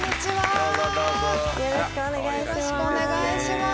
よろしくお願いします